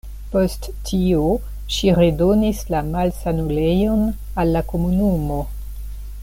Post tio ŝi redonis la malsanulejon al la komunumo.